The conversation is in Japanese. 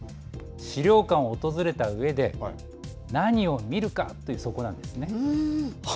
資料館を訪れたうえで何を見るかというところなんですね。